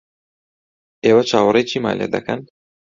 ئێوە چاوەڕێی چیمان لێ دەکەن؟